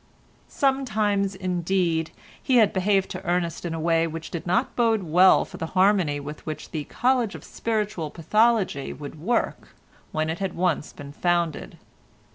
Sometimes, indeed, he had behaved to Ernest in a way which did not bode well for the harmony with which the College of Spiritual Pathology would work when it had once been founded.